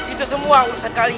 itu semua urusan kalian